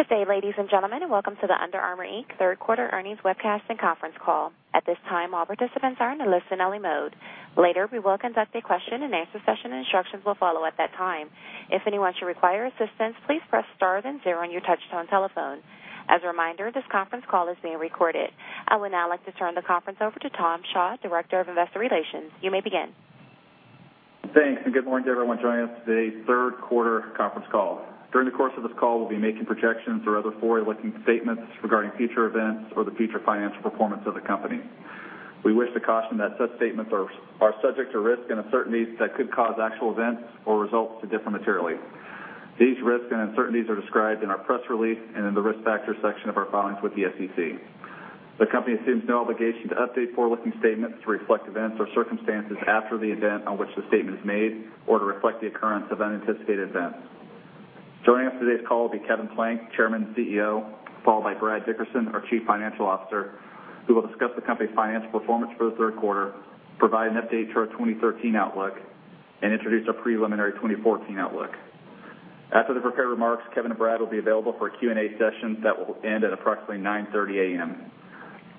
Good day, ladies and gentlemen, and welcome to the Under Armour, Inc. third quarter earnings webcast and conference call. At this time, all participants are in a listen-only mode. Later, we will conduct a question-and-answer session, and instructions will follow at that time. If anyone should require assistance, please press star then zero on your touch-tone telephone. As a reminder, this conference call is being recorded. I would now like to turn the conference over to Tom Shaw, Director of Investor Relations. You may begin. Thanks, and good morning to everyone joining us today, third quarter conference call. During the course of this call, we'll be making projections or other forward-looking statements regarding future events or the future financial performance of the company. We wish to caution that such statements are subject to risks and uncertainties that could cause actual events or results to differ materially. These risks and uncertainties are described in our press release and in the Risk Factors section of our filings with the SEC. The company assumes no obligation to update forward-looking statements to reflect events or circumstances after the event on which the statement is made or to reflect the occurrence of unanticipated events. Joining us on today's call will be Kevin Plank, Chairman and CEO, followed by Brad Dickerson, our Chief Financial Officer, who will discuss the company's financial performance for the third quarter, provide an update to our 2013 outlook, and introduce our preliminary 2014 outlook. After the prepared remarks, Kevin and Brad will be available for a Q&A session that will end at approximately 9:30 A.M.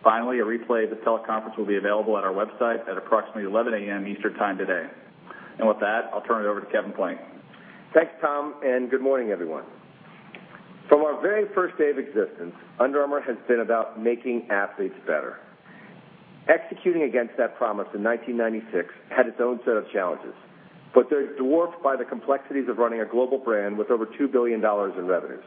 Finally, a replay of the teleconference will be available on our website at approximately 11:00 A.M. Eastern Time today. With that, I'll turn it over to Kevin Plank. Thanks, Tom, and good morning, everyone. From our very first day of existence, Under Armour has been about making athletes better. Executing against that promise in 1996 had its own set of challenges, but they're dwarfed by the complexities of running a global brand with over $2 billion in revenues.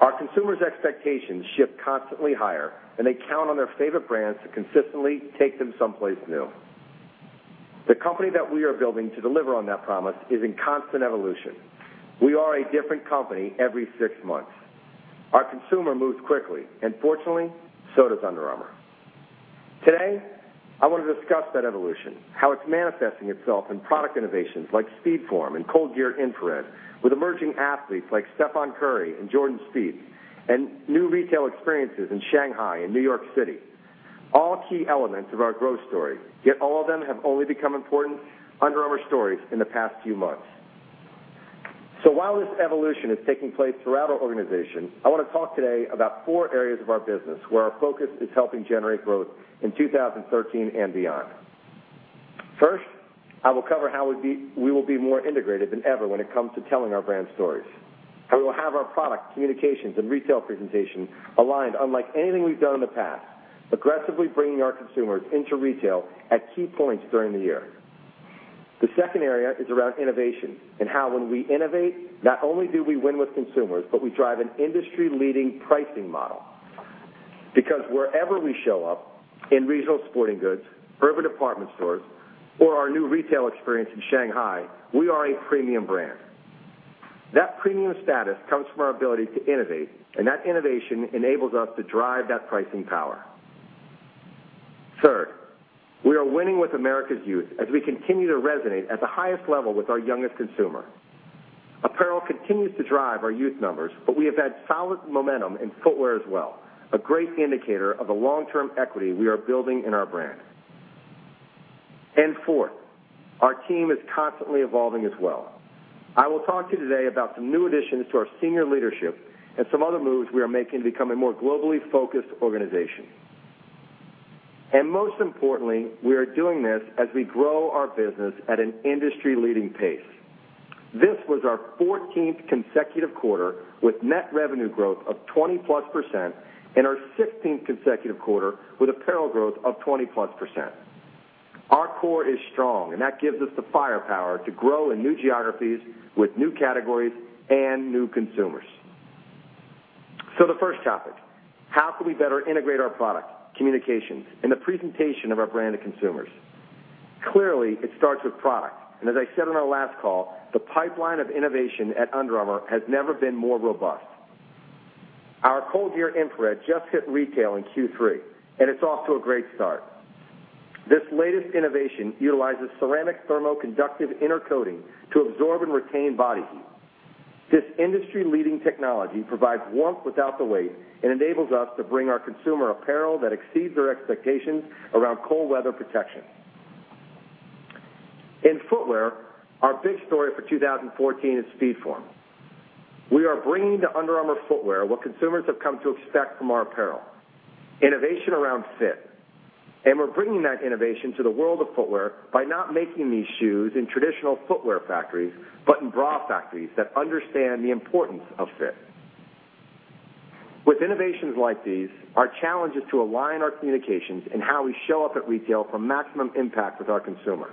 Our consumers' expectations shift constantly higher, and they count on their favorite brands to consistently take them someplace new. The company that we are building to deliver on that promise is in constant evolution. We are a different company every six months. Our consumer moves quickly, and fortunately, so does Under Armour. Today, I want to discuss that evolution, how it's manifesting itself in product innovations like SpeedForm and ColdGear Infrared, with emerging athletes like Stephen Curry and Jordan Spieth, and new retail experiences in Shanghai and New York City. All key elements of our growth story, yet all of them have only become important Under Armour stories in the past few months. While this evolution is taking place throughout our organization, I want to talk today about four areas of our business where our focus is helping generate growth in 2013 and beyond. First, I will cover how we will be more integrated than ever when it comes to telling our brand stories. How we will have our product, communications, and retail presentation aligned unlike anything we've done in the past, aggressively bringing our consumers into retail at key points during the year. The second area is around innovation and how when we innovate, not only do we win with consumers, but we drive an industry-leading pricing model. Wherever we show up, in regional sporting goods, urban department stores, or our new retail experience in Shanghai, we are a premium brand. That premium status comes from our ability to innovate, and that innovation enables us to drive that pricing power. Third, we are winning with America's youth as we continue to resonate at the highest level with our youngest consumer. Apparel continues to drive our youth numbers, but we have had solid momentum in footwear as well, a great indicator of the long-term equity we are building in our brand. Fourth, our team is constantly evolving as well. I will talk to you today about some new additions to our senior leadership and some other moves we are making to become a more globally focused organization. Most importantly, we are doing this as we grow our business at an industry-leading pace. This was our 14th consecutive quarter with net revenue growth of 20-plus % and our 16th consecutive quarter with apparel growth of 20-plus %. Our core is strong, and that gives us the firepower to grow in new geographies with new categories and new consumers. The first topic: how can we better integrate our product, communication, and the presentation of our brand to consumers? Clearly, it starts with product, and as I said on our last call, the pipeline of innovation at Under Armour has never been more robust. Our ColdGear Infrared just hit retail in Q3, and it's off to a great start. This latest innovation utilizes ceramic thermoconductive inner coating to absorb and retain body heat. This industry-leading technology provides warmth without the weight and enables us to bring our consumer apparel that exceeds their expectations around cold weather protection. In footwear, our big story for 2014 is SpeedForm. We are bringing to Under Armour footwear what consumers have come to expect from our apparel, innovation around fit. We're bringing that innovation to the world of footwear by not making these shoes in traditional footwear factories but in bra factories that understand the importance of fit. With innovations like these, our challenge is to align our communications and how we show up at retail for maximum impact with our consumer.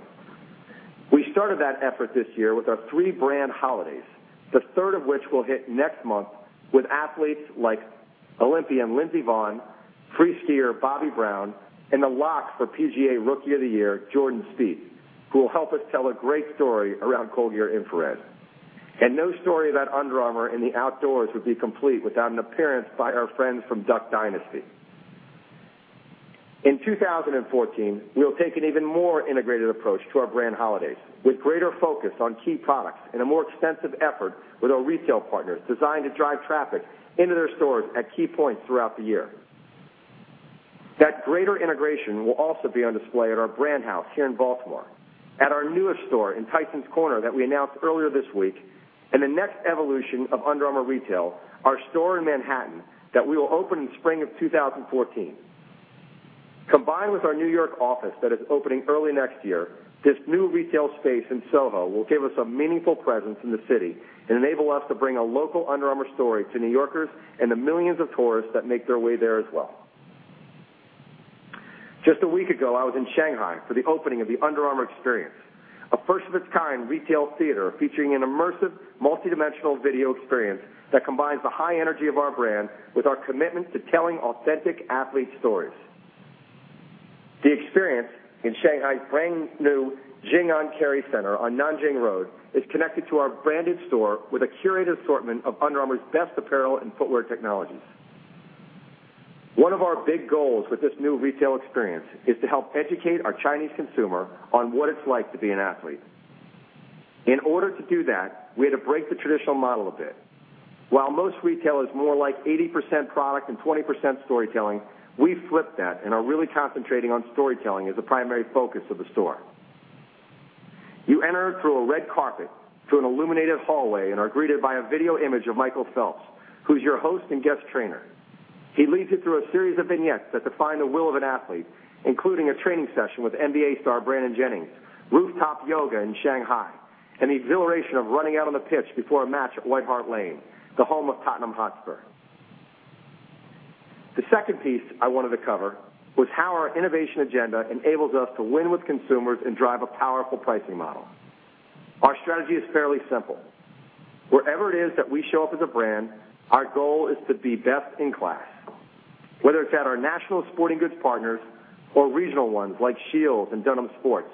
We started that effort this year with our three brand holidays, the third of which will hit next month with athletes like Olympian Lindsey Vonn, freeskier Bobby Brown, and the lock for PGA Rookie of the Year, Jordan Spieth, who will help us tell a great story around ColdGear Infrared. No story about Under Armour and the outdoors would be complete without an appearance by our friends from "Duck Dynasty." In 2014, we will take an even more integrated approach to our brand holidays, with greater focus on key products and a more extensive effort with our retail partners designed to drive traffic into their stores at key points throughout the year. That greater integration will also be on display at our Brand House here in Baltimore, at our newest store in Tysons Corner that we announced earlier this week, and the next evolution of Under Armour retail, our store in Manhattan that we will open in spring of 2014. Combined with our New York office that is opening early next year, this new retail space in SoHo will give us a meaningful presence in the city and enable us to bring a local Under Armour story to New Yorkers and the millions of tourists that make their way there as well. Just a week ago, I was in Shanghai for the opening of the Under Armour Experience, a first-of-its-kind retail theater featuring an immersive, multidimensional video experience that combines the high energy of our brand with our commitment to telling authentic athlete stories. The experience in Shanghai's brand-new Jing'an Kerry Centre on Nanjing Road is connected to our branded store with a curated assortment of Under Armour's best apparel and footwear technologies. One of our big goals with this new retail experience is to help educate our Chinese consumer on what it's like to be an athlete. In order to do that, we had to break the traditional model a bit. While most retail is more like 80% product and 20% storytelling, we flipped that and are really concentrating on storytelling as a primary focus of the store. You enter through a red carpet to an illuminated hallway and are greeted by a video image of Michael Phelps, who's your host and guest trainer. He leads you through a series of vignettes that define the will of an athlete, including a training session with NBA star Brandon Jennings, rooftop yoga in Shanghai, and the exhilaration of running out on the pitch before a match at White Hart Lane, the home of Tottenham Hotspur. The second piece I wanted to cover was how our innovation agenda enables us to win with consumers and drive a powerful pricing model. Our strategy is fairly simple. Wherever it is that we show up as a brand, our goal is to be best in class. Whether it's at our national sporting goods partners or regional ones like Scheels and Dunham's Sports,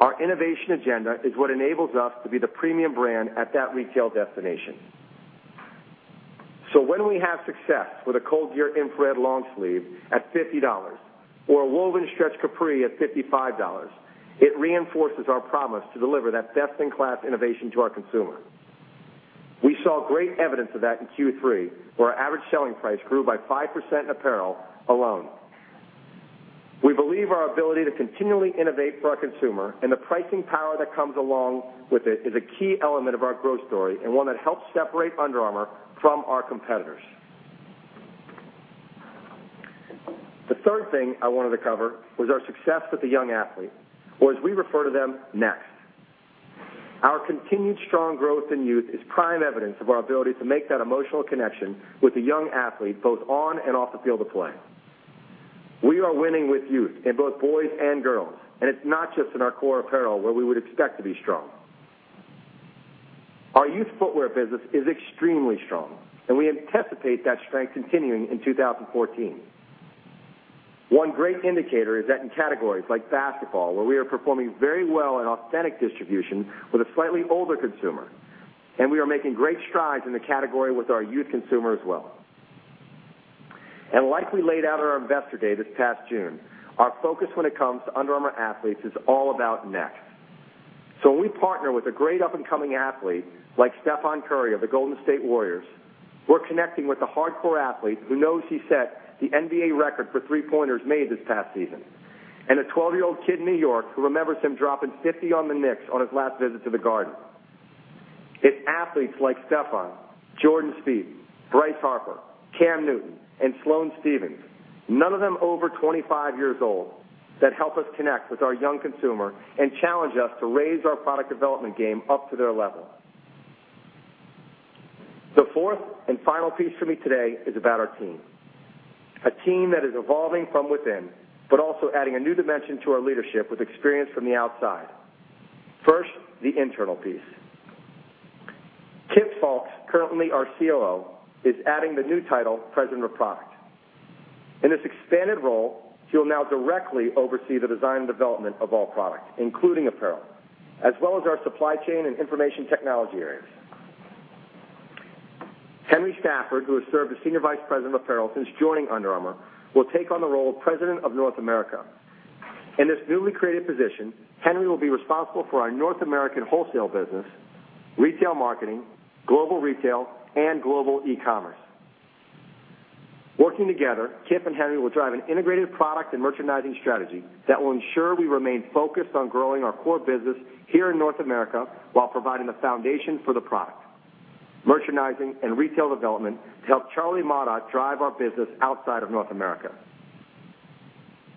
our innovation agenda is what enables us to be the premium brand at that retail destination. So when we have success with a ColdGear Infrared long sleeve at $50 or a woven stretch capri at $55, it reinforces our promise to deliver that best-in-class innovation to our consumer. We saw great evidence of that in Q3, where our average selling price grew by 5% in apparel alone. We believe our ability to continually innovate for our consumer and the pricing power that comes along with it is a key element of our growth story and one that helps separate Under Armour from our competitors. The third thing I wanted to cover was our success with the young athlete, or as we refer to them, Next. Our continued strong growth in youth is prime evidence of our ability to make that emotional connection with the young athlete both on and off the field of play. We are winning with youth in both boys and girls, and it's not just in our core apparel where we would expect to be strong. Our youth footwear business is extremely strong, and we anticipate that strength continuing in 2014. One great indicator is that in categories like basketball, where we are performing very well in authentic distribution with a slightly older consumer, and we are making great strides in the category with our youth consumer as well. Like we laid out at our Investor Day this past June, our focus when it comes to Under Armour athletes is all about Next. When we partner with a great up-and-coming athlete like Stephen Curry of the Golden State Warriors, we're connecting with the hardcore athlete who knows he set the NBA record for three-pointers made this past season and a 12-year-old kid in New York who remembers him dropping 50 on the Knicks on his last visit to the Garden. It's athletes like Stephen, Jordan Spieth, Bryce Harper, Cam Newton, and Sloane Stephens, none of them over 25 years old, that help us connect with our young consumer and challenge us to raise our product development game up to their level. The fourth and final piece for me today is about our team, a team that is evolving from within, but also adding a new dimension to our leadership with experience from the outside. First, the internal piece. Kip Fulks, currently our COO, is adding the new title President of Product. In this expanded role, he will now directly oversee the design and development of all products, including apparel, as well as our supply chain and information technology areas. Henry Stafford, who has served as Senior Vice President of Apparel since joining Under Armour, will take on the role of President of North America. In this newly created position, Henry will be responsible for our North American wholesale business, retail marketing, Global Retail, and Global E-commerce. Working together, Kip and Henry will drive an integrated product and merchandising strategy that will ensure we remain focused on growing our core business here in North America while providing the foundation for the product, merchandising, and retail development to help Charlie Maurath drive our business outside of North America.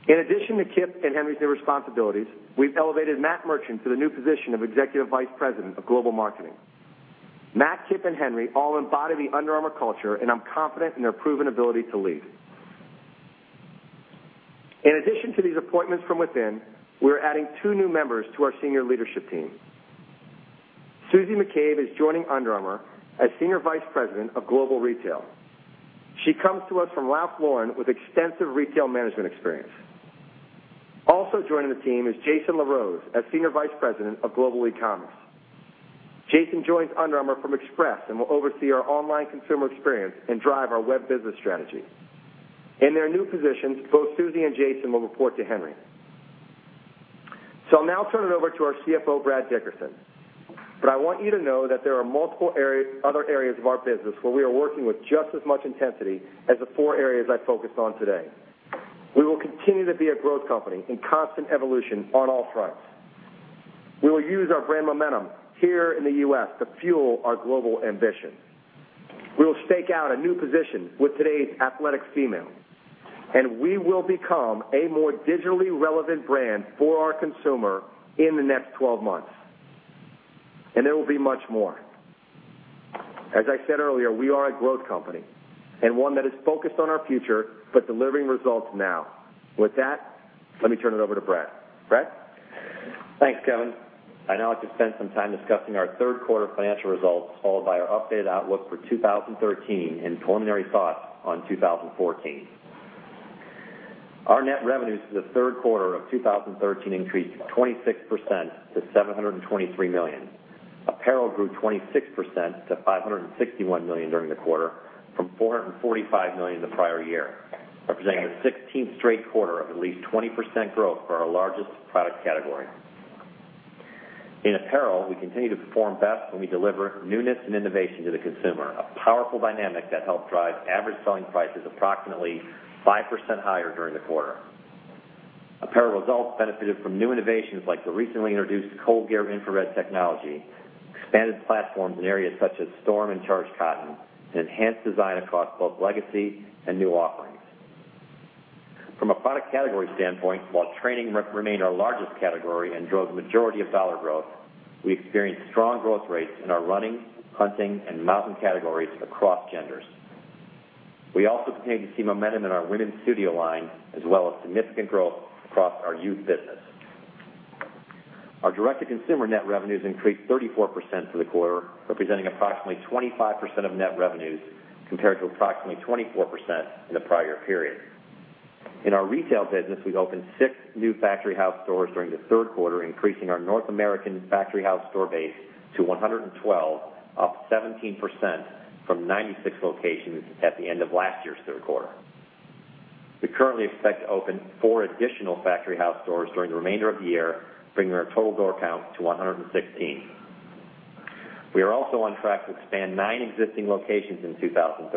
In addition to Kip and Henry's new responsibilities, we've elevated Matt Mirchin to the new position of Executive Vice President of Global Marketing. Matt, Kip, and Henry all embody the Under Armour culture, and I'm confident in their proven ability to lead. In addition to these appointments from within, we're adding two new members to our senior leadership team. Susie McCabe is joining Under Armour as Senior Vice President of Global Retail. She comes to us from Ralph Lauren with extensive retail management experience. Also joining the team is Jason LaRose as Senior Vice President of Global E-commerce. Jason joins Under Armour from Express and will oversee our online consumer experience and drive our web business strategy. In their new positions, both Susie and Jason will report to Henry. I'll now turn it over to our CFO, Brad Dickerson. I want you to know that there are multiple other areas of our business where we are working with just as much intensity as the four areas I focused on today. We will continue to be a growth company in constant evolution on all fronts. We will use our brand momentum here in the U.S. to fuel our global ambition. We will stake out a new position with today's athletic female, and we will become a more digitally relevant brand for our consumer in the next 12 months. There will be much more. As I said earlier, we are a growth company and one that is focused on our future, but delivering results now. With that, let me turn it over to Brad. Brad? Thanks, Kevin. I'd now like to spend some time discussing our third quarter financial results, followed by our updated outlook for 2013 and preliminary thoughts on 2014. Our net revenues for the third quarter of 2013 increased 26% to $723 million. Apparel grew 26% to $561 million during the quarter from $445 million the prior year, representing the 16th straight quarter of at least 20% growth for our largest product category. In apparel, we continue to perform best when we deliver newness and innovation to the consumer, a powerful dynamic that helped drive average selling prices approximately 5% higher during the quarter. Apparel results benefited from new innovations like the recently introduced ColdGear Infrared technology, expanded platforms in areas such as Storm and Charged Cotton, and enhanced design across both legacy and new offerings. From a product category standpoint, while training remained our largest category and drove the majority of dollar growth, we experienced strong growth rates in our running, hunting, and mountain categories across genders. We also continue to see momentum in our Women's Studio line, as well as significant growth across our youth business. Our direct-to-consumer net revenues increased 34% for the quarter, representing approximately 25% of net revenues, compared to approximately 24% in the prior period. In our retail business, we opened six new Factory House stores during the third quarter, increasing our North American Factory House store base to 112, up 17% from 96 locations at the end of last year's third quarter. We currently expect to open four additional Factory House stores during the remainder of the year, bringing our total door count to 116. We are also on track to expand nine existing locations in 2013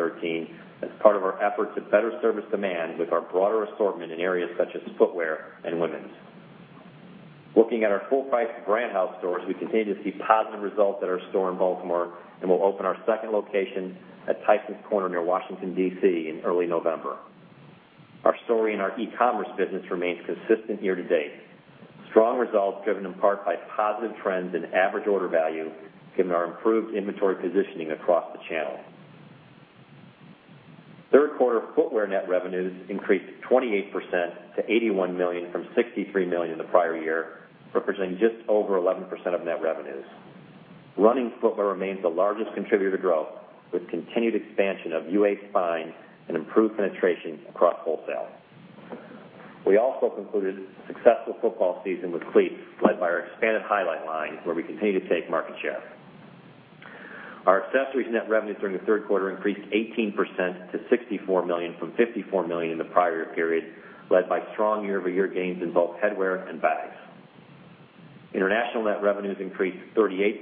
as part of our effort to better service demand with our broader assortment in areas such as footwear and women's. Looking at our full-price Brand House stores, we continue to see positive results at our store in Baltimore and will open our second location at Tysons Corner near Washington, D.C., in early November. Our story in our e-commerce business remains consistent year-to-date. Strong results driven in part by positive trends in average order value, given our improved inventory positioning across the channel. Third quarter footwear net revenues increased 28% to $81 million from $63 million the prior year, representing just over 11% of net revenues. Running footwear remains the largest contributor to growth, with continued expansion of UA Spine and improved penetration across wholesale. We also concluded a successful football season with cleats, led by our expanded Highlight line, where we continue to take market share. Our accessories net revenues during the third quarter increased 18% to $64 million from $54 million in the prior year period, led by strong year-over-year gains in both headwear and bags. International net revenues increased 38%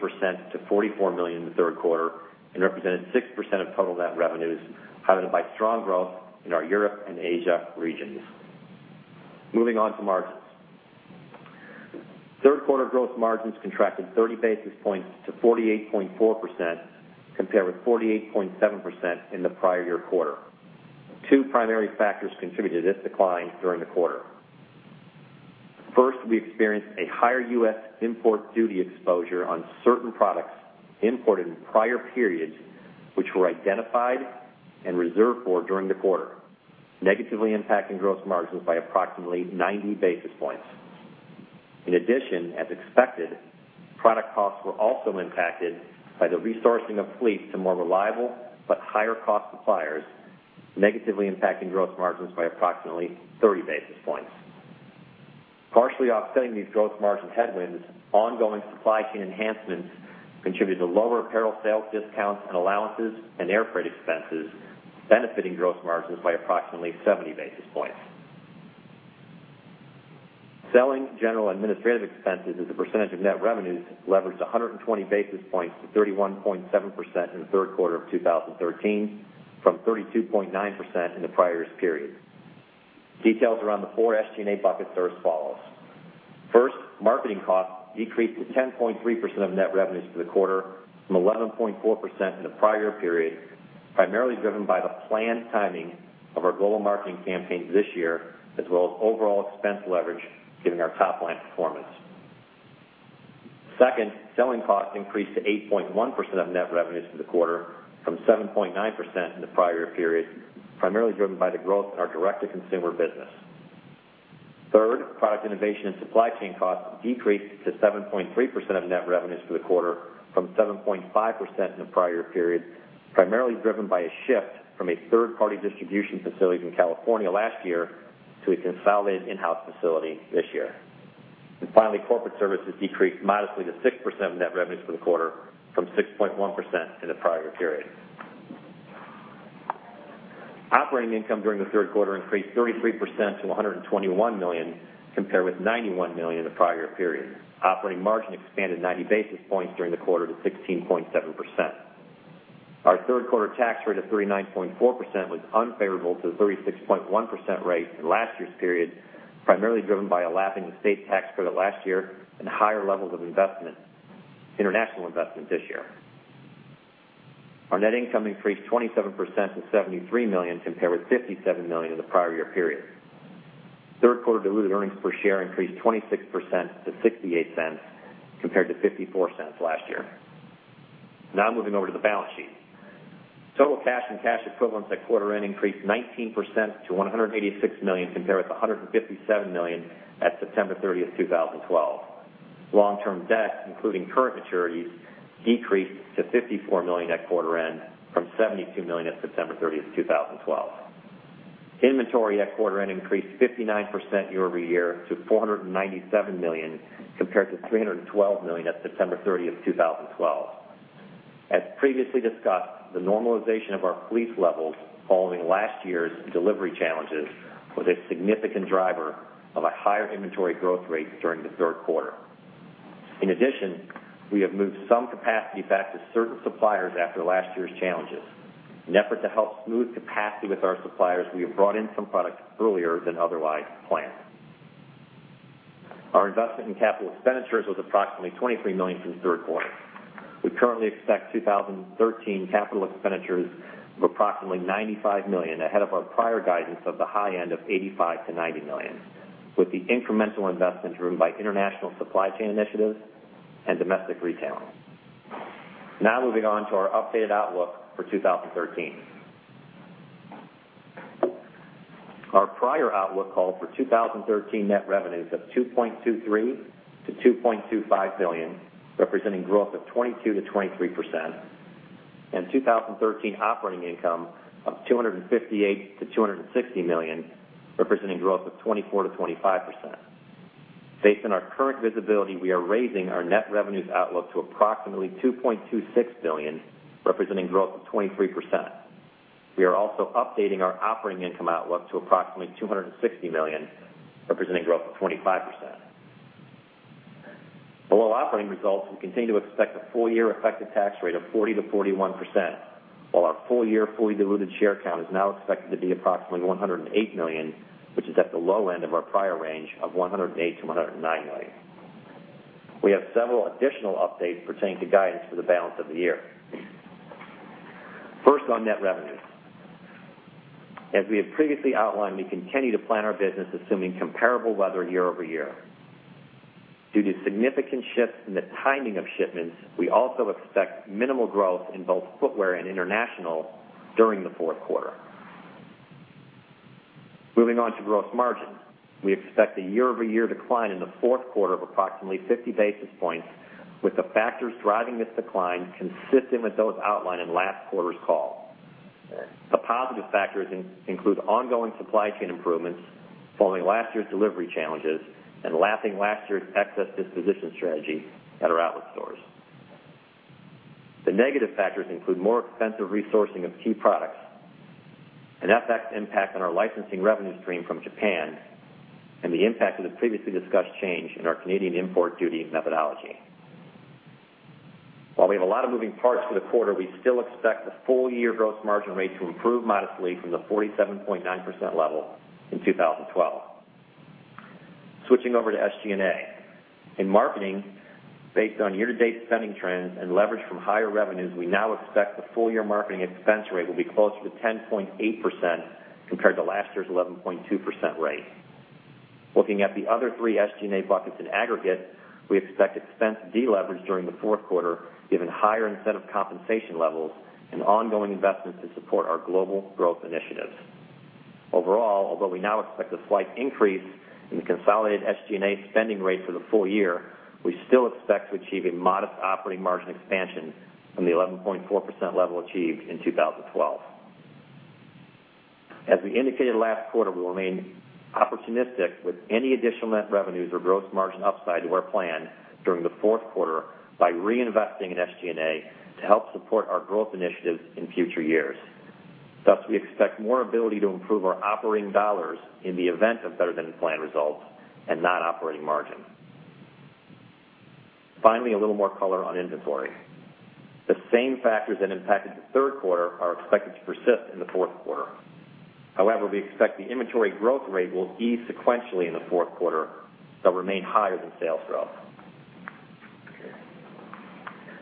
to $44 million in the third quarter and represented 6% of total net revenues, highlighted by strong growth in our Europe and Asia regions. Moving on to margins. Third quarter gross margins contracted 30 basis points to 48.4%, compared with 48.7% in the prior year quarter. Two primary factors contributed to this decline during the quarter. First, we experienced a higher U.S. import duty exposure on certain products imported in prior periods, which were identified and reserved for during the quarter, negatively impacting gross margins by approximately 90 basis points. In addition, as expected, product costs were also impacted by the resourcing of cleats to more reliable but higher-cost suppliers, negatively impacting gross margins by approximately 30 basis points. Partially offsetting these gross margin headwinds, ongoing supply chain enhancements contributed to lower apparel sales discounts and allowances and air freight expenses, benefiting gross margins by approximately 70 basis points. Selling, general, and administrative expenses as a percentage of net revenues leveraged 120 basis points to 31.7% in the third quarter of 2013 from 32.9% in the prior year's period. Details around the four SG&A buckets are as follows. First, marketing costs decreased to 10.3% of net revenues for the quarter from 11.4% in the prior year period, primarily driven by the planned timing of our global marketing campaign this year, as well as overall expense leverage given our top-line performance. Second, selling costs increased to 8.1% of net revenues for the quarter from 7.9% in the prior year period, primarily driven by the growth in our direct-to-consumer business. Third, product innovation and supply chain costs decreased to 7.3% of net revenues for the quarter from 7.5% in the prior year period, primarily driven by a shift from a third-party distribution facility in California last year to a consolidated in-house facility this year. Finally, corporate services decreased modestly to 6% of net revenues for the quarter from 6.1% in the prior year period. Operating income during the third quarter increased 33% to $121 million, compared with $91 million in the prior year period. Operating margin expanded 90 basis points during the quarter to 16.7%. Our third quarter tax rate of 39.4% was unfavorable to the 36.1% rate in last year's period, primarily driven by a lapping of state tax credit last year and higher levels of international investment this year. Our net income increased 27% to $73 million, compared with $57 million in the prior year period. Third quarter diluted earnings per share increased 26% to $0.68 compared to $0.54 last year. Moving over to the balance sheet. Total cash and cash equivalents at quarter end increased 19% to $186 million, compared with $157 million at September 30, 2012. Long-term debt, including current maturities, decreased to $54 million at quarter end from $72 million at September 30, 2012. Inventory at quarter end increased 59% year-over-year to $497 million, compared to $312 million at September 30, 2012. As previously discussed, the normalization of our fleet levels following last year's delivery challenges was a significant driver of a higher inventory growth rate during the third quarter. We have moved some capacity back to certain suppliers after last year's challenges. In an effort to help smooth capacity with our suppliers, we have brought in some product earlier than otherwise planned. Our investment in capital expenditures was approximately $23 million through the third quarter. We currently expect 2013 capital expenditures of approximately $95 million, ahead of our prior guidance of the high end of $85 million-$90 million, with the incremental investment driven by international supply chain initiatives and domestic retail. Moving on to our updated outlook for 2013. Our prior outlook called for 2013 net revenues of $2.23 billion-$2.25 billion, representing growth of 22%-23%, and 2013 operating income of $258 million-$260 million, representing growth of 24%-25%. Based on our current visibility, we are raising our net revenues outlook to approximately $2.26 billion, representing growth of 23%. We are also updating our operating income outlook to approximately $260 million, representing growth of 25%. Below operating results, we continue to expect a full-year effective tax rate of 40%-41%, while our full-year fully diluted share count is now expected to be approximately 108 million, which is at the low end of our prior range of 108 million-109 million. We have several additional updates pertaining to guidance for the balance of the year. First, on net revenues. As we have previously outlined, we continue to plan our business assuming comparable weather year-over-year. Due to significant shifts in the timing of shipments, we also expect minimal growth in both footwear and international during the fourth quarter. Moving on to gross margin. We expect a year-over-year decline in the fourth quarter of approximately 50 basis points, with the factors driving this decline consistent with those outlined in last quarter's call. The positive factors include ongoing supply chain improvements following last year's delivery challenges and lapping last year's excess disposition strategy at our outlet stores. The negative factors include more expensive resourcing of key products, an FX impact on our licensing revenue stream from Japan, and the impact of the previously discussed change in our Canadian import duty methodology. While we have a lot of moving parts for the quarter, we still expect the full-year gross margin rate to improve modestly from the 47.9% level in 2012. Switching over to SG&A. In marketing, based on year-to-date spending trends and leverage from higher revenues, we now expect the full-year marketing expense rate will be closer to 10.8% compared to last year's 11.2% rate. Looking at the other three SG&A buckets in aggregate, we expect expense deleverage during the fourth quarter, given higher incentive compensation levels and ongoing investments to support our global growth initiatives. Overall, although we now expect a slight increase in the consolidated SG&A spending rate for the full year, we still expect to achieve a modest operating margin expansion from the 11.4% level achieved in 2012. As we indicated last quarter, we remain opportunistic with any additional net revenues or gross margin upside to our plan during the fourth quarter by reinvesting in SG&A to help support our growth initiatives in future years. Thus, we expect more ability to improve our operating dollars in the event of better-than-planned results and not operating margin. Finally, a little more color on inventory. The same factors that impacted the third quarter are expected to persist in the fourth quarter. However, we expect the inventory growth rate will ease sequentially in the fourth quarter but remain higher than sales growth.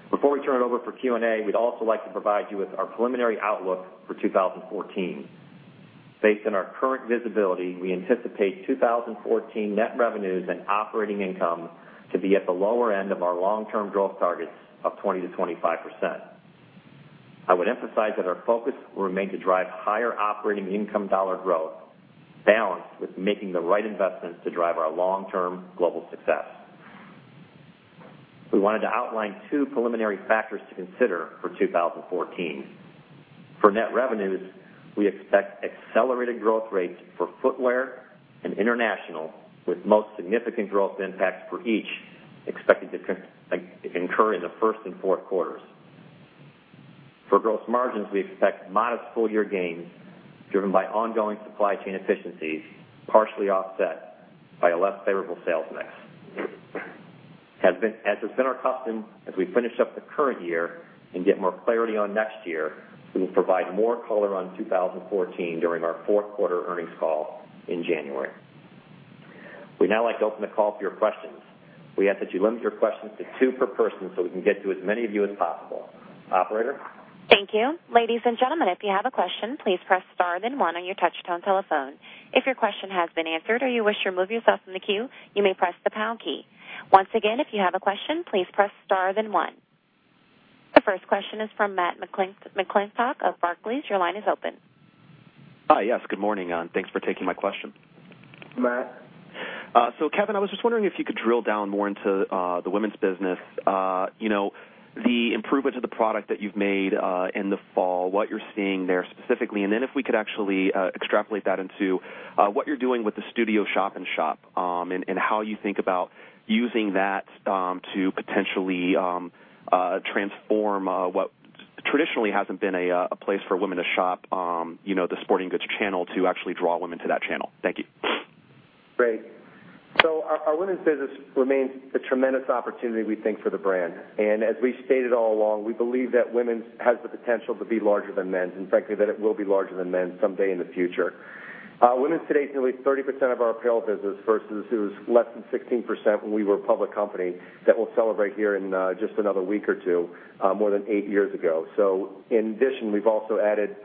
Before we turn it over for Q&A, we would also like to provide you with our preliminary outlook for 2014. Based on our current visibility, we anticipate 2014 net revenues and operating income to be at the lower end of our long-term growth targets of 20%-25%. I would emphasize that our focus will remain to drive higher operating income dollar growth, balanced with making the right investments to drive our long-term global success. We wanted to outline two preliminary factors to consider for 2014. For net revenues, we expect accelerated growth rates for footwear and international, with most significant growth impacts for each expected to incur in the first and fourth quarters. For gross margins, we expect modest full-year gains driven by ongoing supply chain efficiencies, partially offset by a less favorable sales mix. As has been our custom, as we finish up the current year and get more clarity on next year, we will provide more color on 2014 during our fourth quarter earnings call in January. We would now like to open the call to your questions. We ask that you limit your questions to two per person so we can get to as many of you as possible. Operator? Thank you. Ladies and gentlemen, if you have a question, please press star, then one on your touch-tone telephone. If your question has been answered or you wish to remove yourself from the queue, you may press the pound key. Once again, if you have a question, please press star, then one. The first question is from Matthew McClintock of Barclays. Your line is open. Hi. Yes, good morning, and thanks for taking my question. Matt. Kevin, I was just wondering if you could drill down more into the women's business. The improvement to the product that you've made in the fall, what you're seeing there specifically, and then if we could actually extrapolate that into what you're doing with the Women's Studio shop-in-shop, and how you think about using that to potentially transform what traditionally hasn't been a place for women to shop, the sporting goods channel, to actually draw women to that channel. Thank you. Great. Our women's business remains a tremendous opportunity, we think, for the brand. As we stated all along, we believe that women's has the potential to be larger than men's, and frankly, that it will be larger than men's someday in the future. Women's today is nearly 30% of our apparel business versus it was less than 16% when we were a public company that will celebrate here in just another week or two, more than eight years ago. In addition, we've also added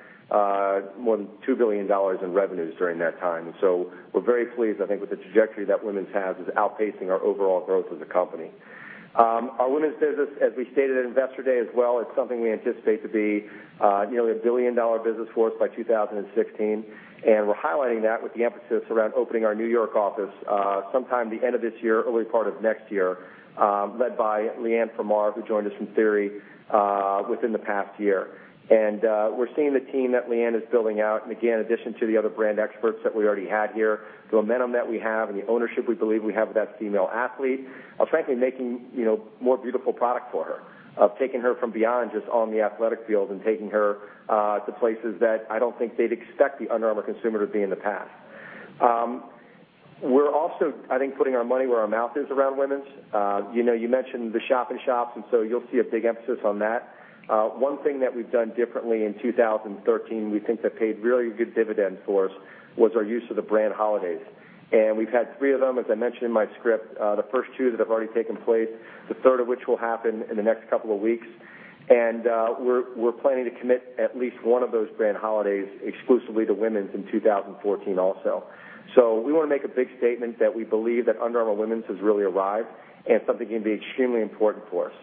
more than $2 billion in revenues during that time. We're very pleased, I think, with the trajectory that women's has. It's outpacing our overall growth as a company. Our women's business, as we stated at Investor Day as well, it's something we anticipate to be nearly a billion-dollar business for us by 2016. We're highlighting that with the emphasis around opening our New York office, sometime the end of this year, early part of next year, led by Leanne Fremar, who joined us from Theory within the past year. We're seeing the team that Leanne is building out, and again, addition to the other brand experts that we already had here, the momentum that we have and the ownership we believe we have with that female athlete of frankly making more beautiful product for her, of taking her from beyond just on the athletic field and taking her to places that I don't think they'd expect the Under Armour consumer to be in the past. We're also, I think, putting our money where our mouth is around women's. You mentioned the shop-in-shops, you'll see a big emphasis on that. One thing that we've done differently in 2013, we think that paid really good dividends for us, was our use of the brand holidays. We've had three of them, as I mentioned in my script. The first two that have already taken place, the third of which will happen in the next couple of weeks. We're planning to commit at least one of those brand holidays exclusively to Women's in 2014 also. We want to make a big statement that we believe that Under Armour Women's has really arrived and it's something that can be extremely important for us.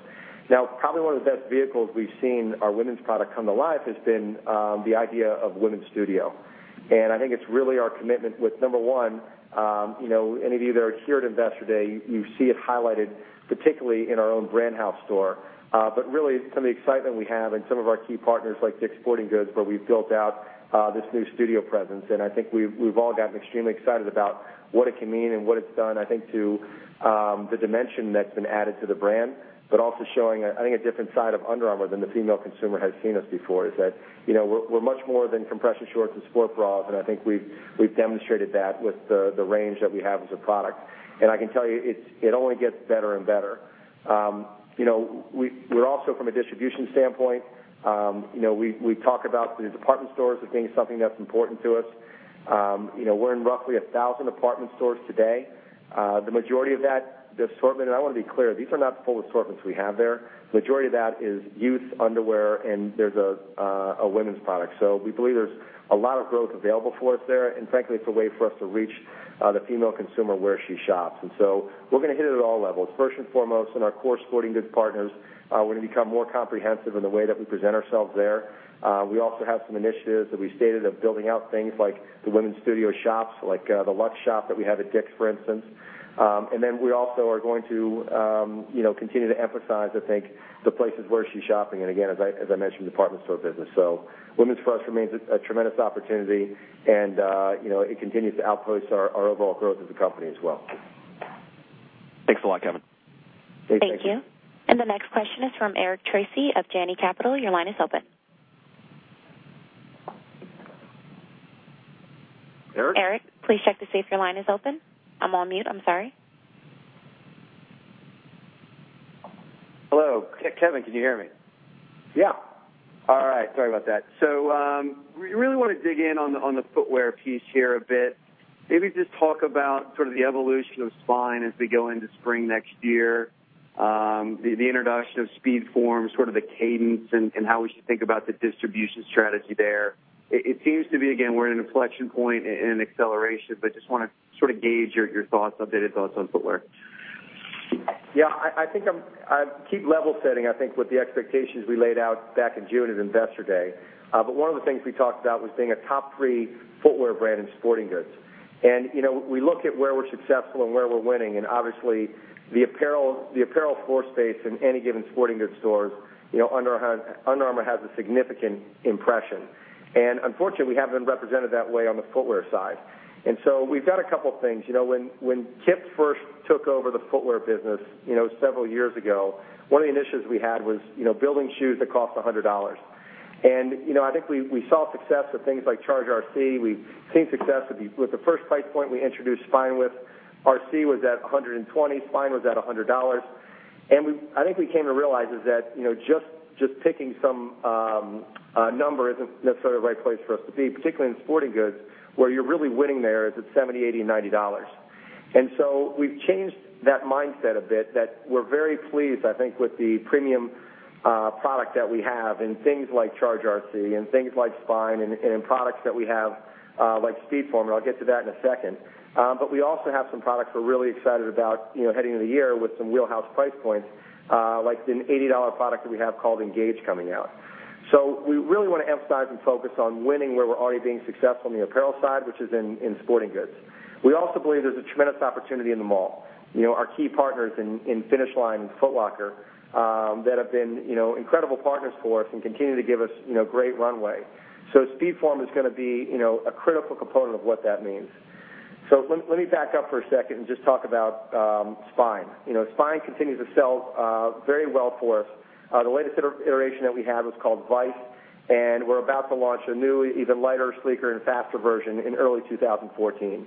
Probably one of the best vehicles we've seen our Women's product come to life has been the idea of Women's Studio. I think it's really our commitment with, number 1, any of you that are here at Investor Day, you see it highlighted, particularly in our own Brand House store. Really some of the excitement we have and some of our key partners like DICK'S Sporting Goods, where we've built out this new Studio presence, I think we've all gotten extremely excited about what it can mean and what it's done, I think, to the dimension that's been added to the brand, also showing, I think, a different side of Under Armour than the female consumer has seen us before, is that we're much more than compression shorts and sport bras. I can tell you, it only gets better and better. We're also, from a distribution standpoint we talk about the department stores as being something that's important to us. We're in roughly 1,000 department stores today. The majority of that, the assortment, I want to be clear, these are not the full assortments we have there. Majority of that is youth underwear, there's a Women's product. We believe there's a lot of growth available for us there, frankly, it's a way for us to reach the female consumer where she shops. We're going to hit it at all levels. First and foremost, in our core sporting goods partners, we're going to become more comprehensive in the way that we present ourselves there. We also have some initiatives that we stated of building out things like the Women's Studio shops, like the Luxe Shop that we have at DICK'S, for instance. We also are going to continue to emphasize, I think, the places where she's shopping, again, as I mentioned, department store business. Women's for us remains a tremendous opportunity, it continues to outpace our overall growth as a company as well. Thanks a lot, Kevin. Okay. Thank you. Thank you. The next question is from Eric Tracy of Janney Capital. Your line is open. Eric? Eric, please check to see if your line is open. I'm on mute, I'm sorry. Hello. Kevin, can you hear me? Yeah. All right. Sorry about that. We really want to dig in on the footwear piece here a bit. Maybe just talk about sort of the evolution of Spine as we go into spring next year. The introduction of SpeedForm, sort of the cadence and how we should think about the distribution strategy there. It seems to be, again, we're in an inflection point in an acceleration, just want to sort of gauge your thoughts, updated thoughts on footwear. Yeah, I keep level setting, I think, with the expectations we laid out back in June at Investor Day. One of the things we talked about was being a top-three footwear brand in sporting goods. We look at where we're successful and where we're winning, obviously, the apparel floor space in any given sporting goods stores, Under Armour has a significant impression. Unfortunately, we haven't been represented that way on the footwear side. We've got a couple things. When Kip first took over the footwear business several years ago, one of the initiatives we had was building shoes that cost $100. I think we saw success with things like Charge RC. We've seen success with the first price point we introduced Spine with. RC was at $120. Spine was at $100. I think we came to realize is that just picking some number isn't necessarily the right place for us to be, particularly in sporting goods, where you're really winning there is at $70, $80, and $90. We've changed that mindset a bit that we're very pleased, I think, with the premium product that we have in things like Charge RC and things like Spine and in products that we have like SpeedForm, and I'll get to that in a second. We also have some products we're really excited about heading into the year with some wheelhouse price points, like an $80 product that we have called Engage coming out. We really want to emphasize and focus on winning where we're already being successful on the apparel side, which is in sporting goods. We also believe there's a tremendous opportunity in the mall. Our key partners in Finish Line and Foot Locker that have been incredible partners for us and continue to give us great runway. SpeedForm is going to be a critical component of what that means. Let me back up for a second and just talk about Spine. Spine continues to sell very well for us. The latest iteration that we have is called Vice, and we're about to launch a new, even lighter, sleeker, and faster version in early 2014.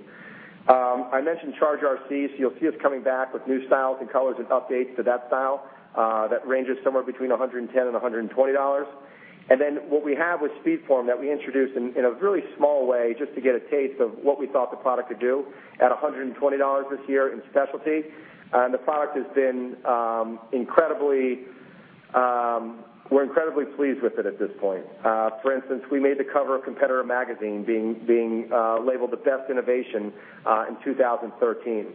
I mentioned Charge RC, you'll see us coming back with new styles and colors and updates to that style that ranges somewhere between $110-$120. What we have with SpeedForm that we introduced in a really small way just to get a taste of what we thought the product could do at $120 this year in specialty. We're incredibly pleased with it at this point. For instance, we made the cover of Competitor Magazine being labeled the best innovation in 2013.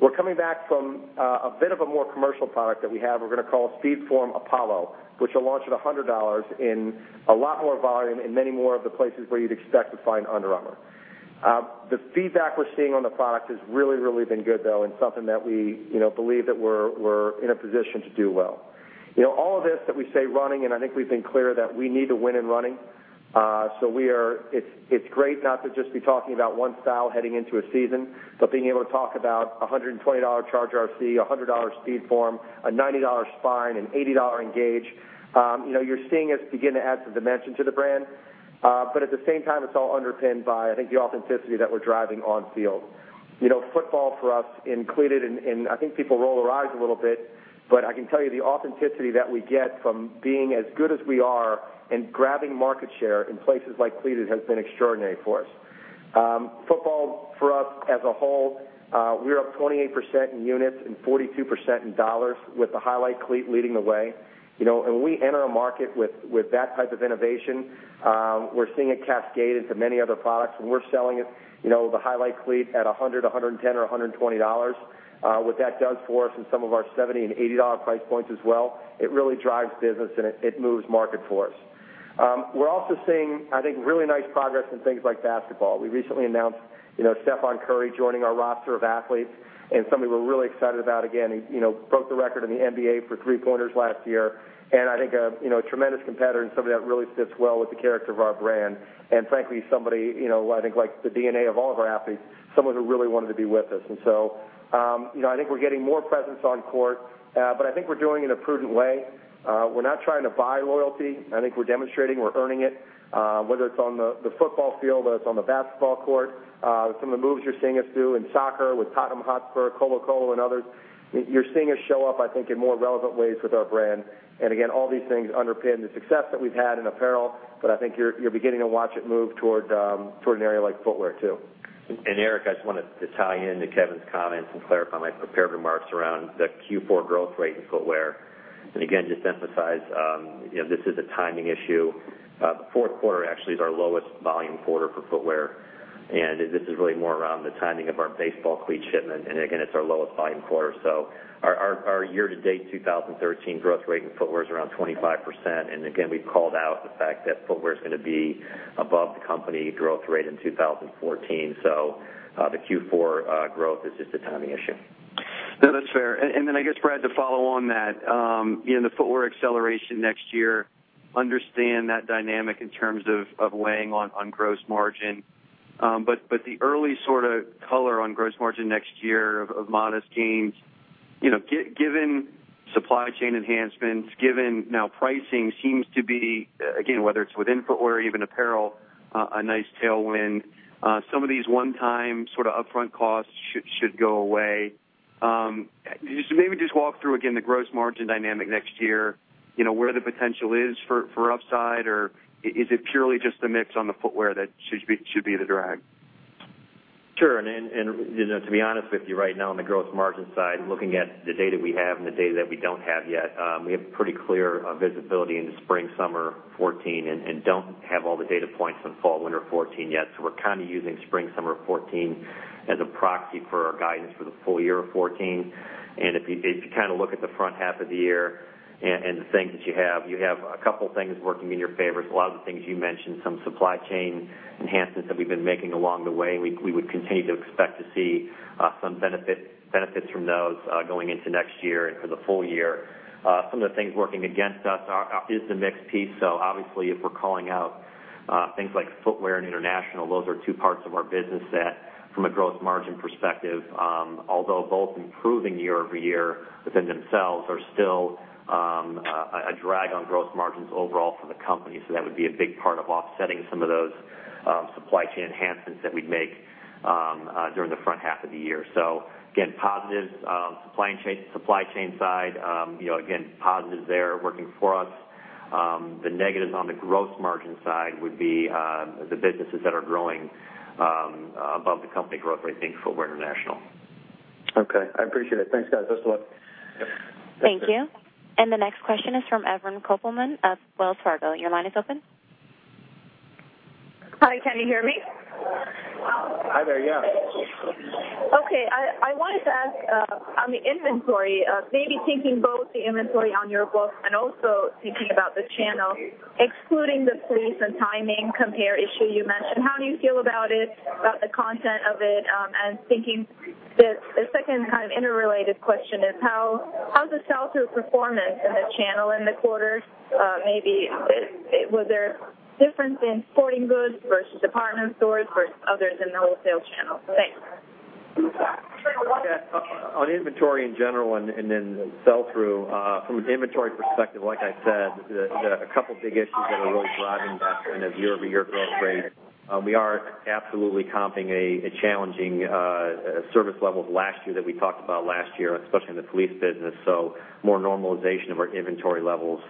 We're coming back from a bit of a more commercial product that we have, we're going to call SpeedForm Apollo, which will launch at $100 in a lot more volume in many more of the places where you'd expect to find Under Armour. The feedback we're seeing on the product has really been good, though, and something that we believe that we're in a position to do well. All of this that we say running, and I think we've been clear that we need to win in running. It's great not to just be talking about one style heading into a season, but being able to talk about $120 Charge RC, $100 SpeedForm, a $90 Spine, an $80 Engage. You're seeing us begin to add some dimension to the brand. At the same time, it's all underpinned by, I think, the authenticity that we're driving on field. Football for us in cleated, and I think people roll their eyes a little bit, but I can tell you the authenticity that we get from being as good as we are and grabbing market share in places like cleated has been extraordinary for us. Football for us as a whole, we are up 28% in units and 42% in dollars with the Highlight cleat leading the way. We enter a market with that type of innovation. We're seeing it cascade into many other products, and we're selling it, the Highlight cleat at $100, $110, or $120. What that does for us in some of our $70 and $80 price points as well, it really drives business and it moves market for us. We're also seeing, I think, really nice progress in things like basketball. We recently announced Stephen Curry joining our roster of athletes and somebody we're really excited about. Again, he broke the record in the NBA for three-pointers last year, and I think a tremendous competitor and somebody that really fits well with the character of our brand. Frankly, somebody I think like the DNA of all of our athletes, someone who really wanted to be with us. I think we're getting more presence on court but I think we're doing it in a prudent way. We're not trying to buy loyalty. I think we're demonstrating, we're earning it whether it's on the football field or it's on the basketball court. Some of the moves you're seeing us do in soccer with Tottenham Hotspur, Colo-Colo, and others. You're seeing us show up, I think, in more relevant ways with our brand. All these things underpin the success that we've had in apparel, but I think you're beginning to watch it move toward an area like footwear, too. Eric, I just wanted to tie into Kevin's comments and clarify my prepared remarks around the Q4 growth rate in footwear. Just emphasize, this is a timing issue. The fourth quarter actually is our lowest volume quarter for footwear, and this is really more around the timing of our baseball cleat shipment. It's our lowest volume quarter. Our year-to-date 2013 growth rate in footwear is around 25%. We've called out the fact that footwear is going to be above the company growth rate in 2014. The Q4 growth is just a timing issue. No, that's fair. Brad, to follow on that, the footwear acceleration next year, understand that dynamic in terms of weighing on gross margin. The early sort of color on gross margin next year of modest gains. Given supply chain enhancements, given now pricing seems to be, again, whether it's within footwear, even apparel, a nice tailwind. Some of these one-time sort of upfront costs should go away. Maybe just walk through again the gross margin dynamic next year, where the potential is for upside, or is it purely just the mix on the footwear that should be the drag? Sure. To be honest with you, right now on the gross margin side, looking at the data we have and the data that we don't have yet, we have pretty clear visibility into spring/summer 2014 and don't have all the data points on fall/winter 2014 yet. We're kind of using spring/summer 2014 as a proxy for our guidance for the full year of 2014. If you kind of look at the front half of the year and the things that you have, you have a couple things working in your favor. A lot of the things you mentioned, some supply chain enhancements that we've been making along the way. We would continue to expect to see some benefits from those going into next year and for the full year. Some of the things working against us is the mix piece. Obviously, if we're calling out things like footwear and international, those are two parts of our business that from a gross margin perspective, although both improving year-over-year within themselves, are still a drag on gross margins overall for the company. That would be a big part of offsetting some of those supply chain enhancements that we'd make during the front half of the year. Again, positives supply chain side again, positives there working for us. The negatives on the gross margin side would be the businesses that are growing above the company growth rate being Footwear International. Okay. I appreciate it. Thanks, guys. Best of luck. Yep. Thank you. The next question is from Edward Yruma of Wells Fargo. Your line is open. Hi, can you hear me? Hi there. Yeah. Okay. I wanted to ask on the inventory, maybe thinking both the inventory on your books and also thinking about the channel, excluding the fleet and timing compare issue you mentioned, how do you feel about it, about the content of it? Thinking the second kind of interrelated question is how's the sell-through performance in the channel in the quarter? Maybe, was there a difference in sporting goods versus department stores versus others in the wholesale channel? Thanks. On inventory in general and then sell-through, from an inventory perspective, like I said, a couple big issues that are really driving that year-over-year growth rate. We are absolutely comping a challenging service level last year that we talked about last year, especially in the fleet business. More normalization of our inventory levels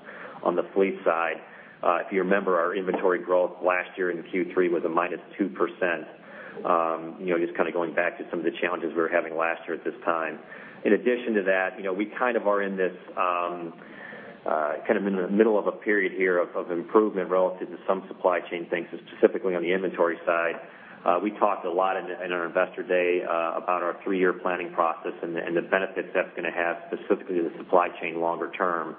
on the fleet side. If you remember, our inventory growth last year in Q3 was a -2%, just going back to some of the challenges we were having last year at this time. In addition to that, we are in this middle of a period here of improvement relative to some supply chain things, specifically on the inventory side. We talked a lot in our investor day about our three-year planning process and the benefits that's going to have specifically to the supply chain longer term.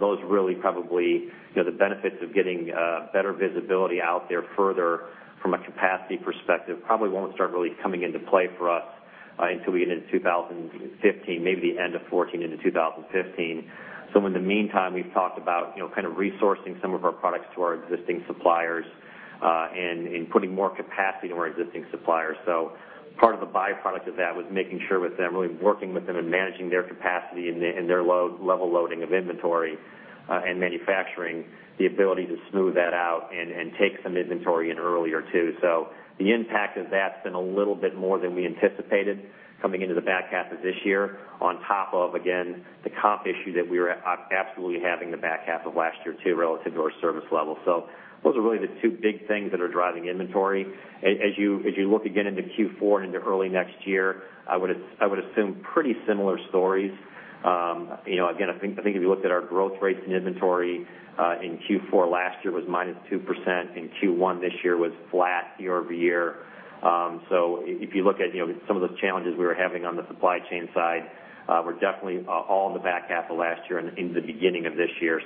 Those really probably, the benefits of getting better visibility out there further from a capacity perspective, probably won't start really coming into play for us until we get into 2015, maybe the end of 2014 into 2015. In the meantime, we've talked about resourcing some of our products to our existing suppliers, putting more capacity to our existing suppliers. Part of the byproduct of that was making sure with them, really working with them and managing their capacity and their level loading of inventory and manufacturing, the ability to smooth that out and take some inventory in earlier, too. The impact of that's been a little bit more than we anticipated coming into the back half of this year on top of, again, the comp issue that we were absolutely having the back half of last year, too, relative to our service level. Those are really the two big things that are driving inventory. As you look again into Q4 and into early next year, I would assume pretty similar stories. Again, I think if you looked at our growth rates and inventory, in Q4 last year was -2%, in Q1 this year was flat year-over-year. If you look at some of the challenges we were having on the supply chain side, were definitely all in the back half of last year and into the beginning of this year.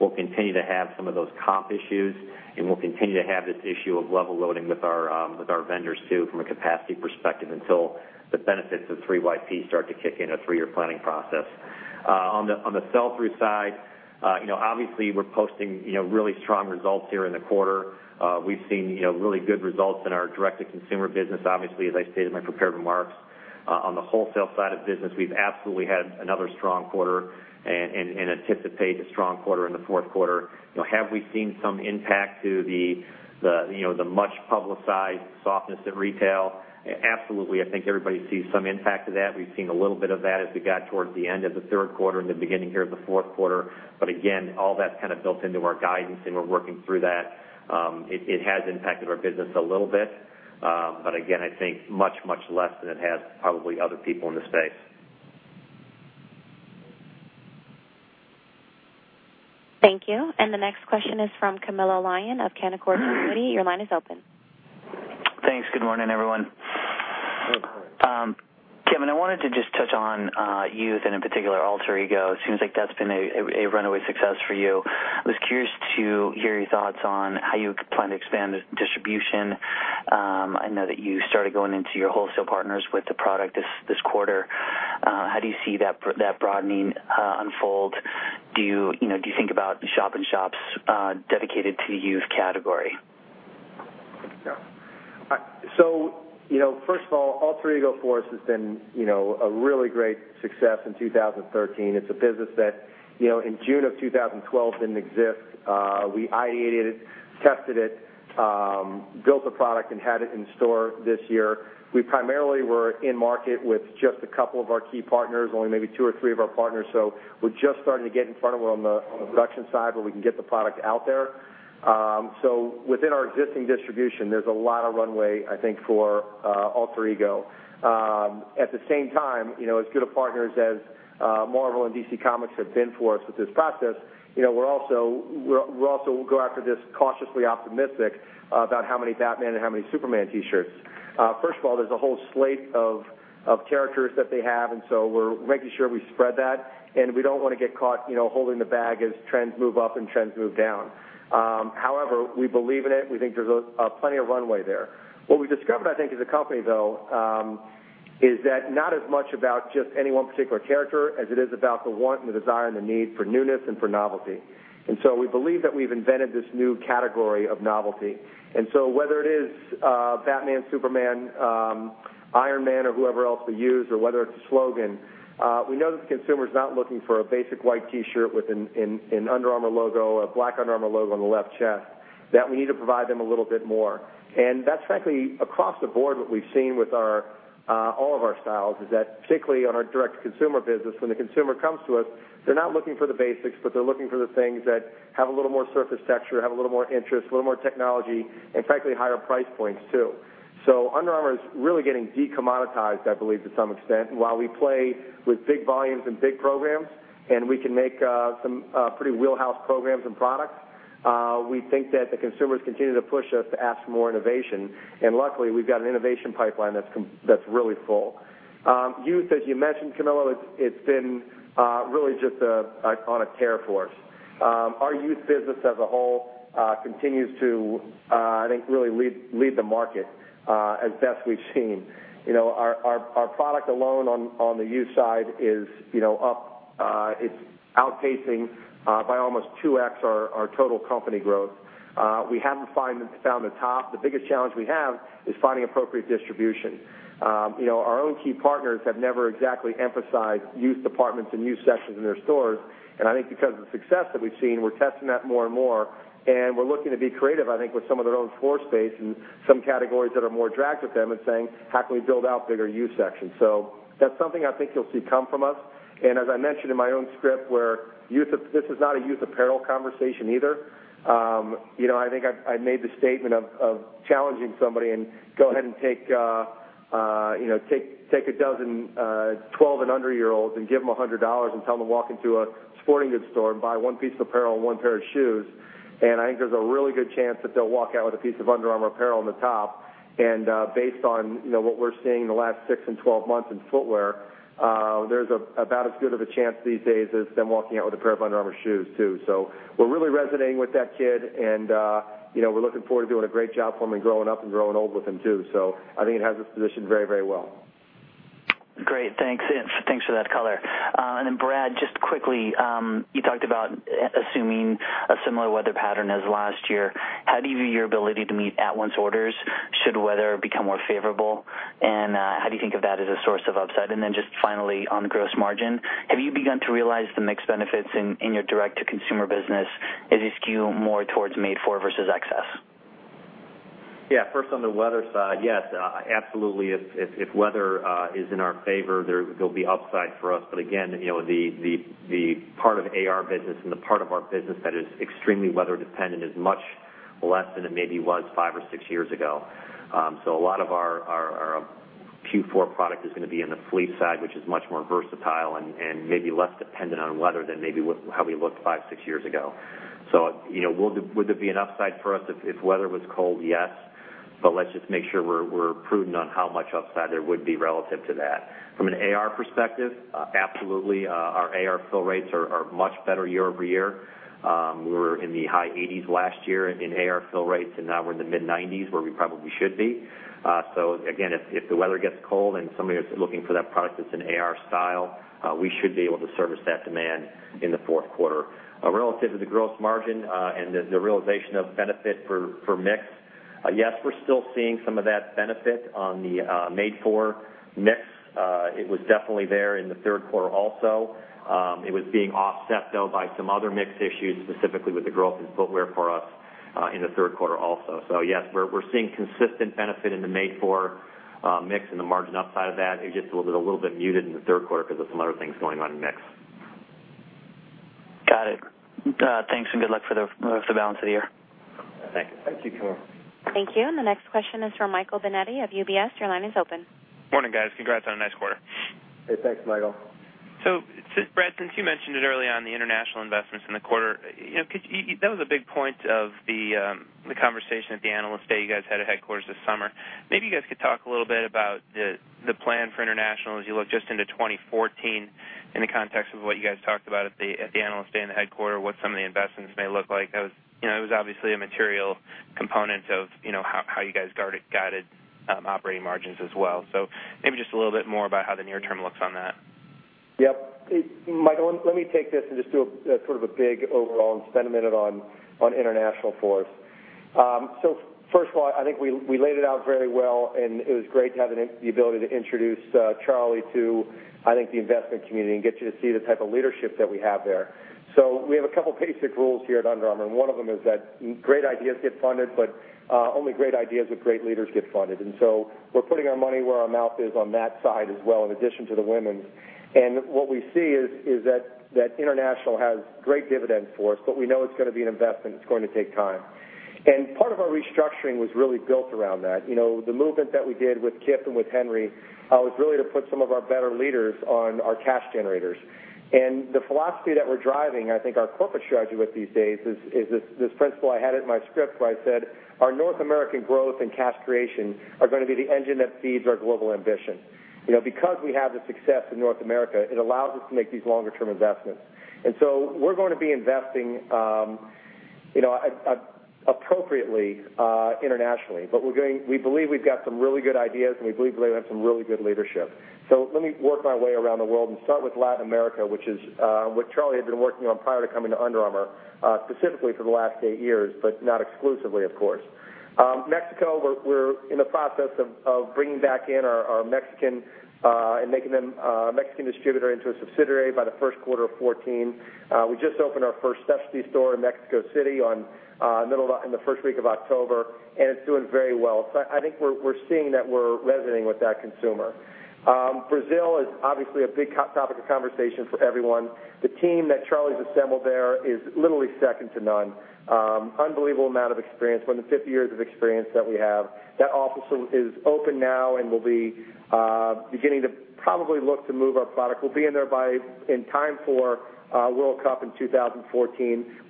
We'll continue to have some of those comp issues, and we'll continue to have this issue of level loading with our vendors, too, from a capacity perspective, until the benefits of 3YP start to kick in, our three-year planning process. On the sell-through side, obviously, we're posting really strong results here in the quarter. We've seen really good results in our direct-to-consumer business, obviously, as I stated in my prepared remarks. On the wholesale side of business, we've absolutely had another strong quarter and anticipate a strong quarter in the fourth quarter. Have we seen some impact to the much-publicized softness at retail? Absolutely. I think everybody sees some impact to that. We've seen a little bit of that as we got towards the end of the third quarter and the beginning here of the fourth quarter. Again, all that's built into our guidance, and we're working through that. It has impacted our business a little bit. Again, I think much, much less than it has probably other people in the space. Thank you. The next question is from Camilo Lyon of Canaccord Genuity. Your line is open. Thanks. Good morning, everyone. Good morning. Kevin, I wanted to just touch on youth and in particular, Alter Ego. Seems like that's been a runaway success for you. I was curious to hear your thoughts on how you plan to expand the distribution. I know that you started going into your wholesale partners with the product this quarter. How do you see that broadening unfold? Do you think about shop-in-shops dedicated to the youth category? First of all, Alter Ego for us has been a really great success in 2013. It's a business that, in June of 2012, didn't exist. We ideated it, tested it, built the product, and had it in store this year. We primarily were in market with just a couple of our key partners, only maybe two or three of our partners. We're just starting to get in front of it on the production side, where we can get the product out there. Within our existing distribution, there's a lot of runway, I think, for Alter Ego. At the same time, as good a partners as Marvel and DC Comics have been for us with this process, we'll also go after this cautiously optimistic about how many Batman and how many Superman T-shirts. First of all, there's a whole slate of characters that they have, and so we're making sure we spread that, and we don't want to get caught holding the bag as trends move up and trends move down. However, we believe in it. We think there's plenty of runway there. What we discovered, I think, as a company, though, is that not as much about just any one particular character as it is about the want and the desire and the need for newness and for novelty. We believe that we've invented this new category of novelty. Whether it is Batman, Superman, Iron Man, or whoever else we use, or whether it's a slogan, we know that the consumer's not looking for a basic white T-shirt with an Under Armour logo, a black Under Armour logo on the left chest. That we need to provide them a little bit more. That's frankly, across the board, what we've seen with all of our styles is that particularly on our direct-to-consumer business, when the consumer comes to us, they're not looking for the basics, but they're looking for the things that have a little more surface texture, have a little more interest, a little more technology, and frankly, higher price points, too. Under Armour is really getting de-commoditized, I believe, to some extent, while we play with big volumes and big programs, and we can make some pretty wheelhouse programs and products. We think that the consumers continue to push us to ask for more innovation. Luckily, we've got an innovation pipeline that's really full. Youth, as you mentioned, Camilo, it's been really just an iconic core for us. Our youth business as a whole continues to, I think, really lead the market as best we've seen. Our product alone on the youth side it's outpacing by almost 2x our total company growth. We haven't found the top. The biggest challenge we have is finding appropriate distribution. Our own key partners have never exactly emphasized youth departments and youth sections in their stores. I think because of the success that we've seen, we're testing that more and more, and we're looking to be creative, I think, with some of their own floor space and some categories that are more attractive to them and saying, "How can we build out bigger youth sections?" That's something I think you'll see come from us. As I mentioned in my own script, this is not a youth apparel conversation either. I think I made the statement of challenging somebody and go ahead and take a dozen 12 and under-year-olds and give them $100 and tell them to walk into a sporting goods store and buy one piece of apparel and one pair of shoes. I think there's a really good chance that they'll walk out with a piece of Under Armour apparel on the top. Based on what we're seeing in the last six and 12 months in footwear, there's about as good of a chance these days as them walking out with a pair of Under Armour shoes, too. We're really resonating with that kid, and we're looking forward to doing a great job for him and growing up and growing old with him, too. I think it has us positioned very, very well. Great. Thanks. Thanks for that color. Then Brad, just quickly, you talked about assuming a similar weather pattern as last year. How do you view your ability to meet at-once orders should weather become more favorable? How do you think of that as a source of upside? Then just finally, on gross margin, have you begun to realize the mix benefits in your direct-to-consumer business? Is it skewed more towards made for versus excess? Yes. First, on the weather side, yes, absolutely, if weather is in our favor, there will be upside for us. Again, the part of AR business and the part of our business that is extremely weather dependent is much less than it maybe was five or six years ago. A lot of our Q4 product is going to be in the fleet side, which is much more versatile and maybe less dependent on weather than maybe how we looked five, six years ago. Would it be an upside for us if weather was cold? Yes. Let's just make sure we're prudent on how much upside there would be relative to that. From an AR perspective, absolutely. Our AR fill rates are much better year-over-year. We were in the high 80s last year in AR fill rates, and now we're in the mid-90s, where we probably should be. Again, if the weather gets cold and somebody is looking for that product that's an AR style, we should be able to service that demand in the fourth quarter. Relative to the gross margin and the realization of benefit for mix, yes, we're still seeing some of that benefit on the made for mix. It was definitely there in the third quarter also. It was being offset, though, by some other mix issues, specifically with the growth in footwear for us in the third quarter also. Yes, we're seeing consistent benefit in the made for mix and the margin upside of that. It's just a little bit muted in the third quarter because of some other things going on in mix. Got it. Thanks, and good luck for the balance of the year. Thank you. Thank you, Camilo. Thank you. The next question is from Michael Binetti of UBS. Your line is open. Morning, guys. Congrats on a nice quarter. Hey, thanks, Michael. Brad, since you mentioned it early on, the international investments in the quarter. That was a big point of the conversation at the Analyst Day you guys had at headquarters this summer. Maybe you guys could talk a little bit about the plan for international as you look just into 2014 in the context of what you guys talked about at the Analyst Day and the headquarters, what some of the investments may look like. It was obviously a material component of how you guys guided operating margins as well. Maybe just a little bit more about how the near term looks on that. Yep. Michael, let me take this and just do a sort of a big overall and spend a minute on international for us. First of all, I think we laid it out very well, and it was great to have the ability to introduce Charlie to, I think, the investment community and get you to see the type of leadership that we have there. We have a couple of basic rules here at Under Armour, and one of them is that great ideas get funded, but only great ideas with great leaders get funded. We're putting our money where our mouth is on that side as well, in addition to the women's. What we see is that international has great dividends for us, but we know it's going to be an investment. It's going to take time. Part of our restructuring was really built around that. The movement that we did with Kip and with Henry was really to put some of our better leaders on our cash generators. The philosophy that we're driving, I think our corporate strategy with these days is this principle I had in my script where I said, our North American growth and cash creation are going to be the engine that feeds our global ambition. Because we have the success in North America, it allows us to make these longer-term investments. We're going to be investing appropriately internationally. We believe we've got some really good ideas, and we believe we have some really good leadership. Let me work my way around the world and start with Latin America, which Charlie had been working on prior to coming to Under Armour, specifically for the last 8 years, but not exclusively, of course. Mexico, we're in the process of bringing back in our Mexican and making the Mexican distributor into a subsidiary by the first quarter of 2014. We just opened our first [StepSty] store in Mexico City in the first week of October, and it's doing very well. I think we're seeing that we're resonating with that consumer. Brazil is obviously a big topic of conversation for everyone. The team that Charlie's assembled there is literally second to none. Unbelievable amount of experience, more than 50 years of experience that we have. That office is open now and will be beginning to probably look to move our product. We'll be in there in time for World Cup in 2014